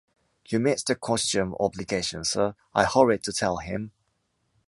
You missed the costume obligation, sir, I hurried to tell him.